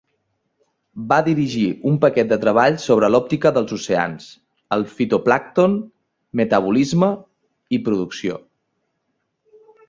Va dirigir un paquet de treball sobre l'òptica dels oceans, el fitoplàncton, metabolisme i producció.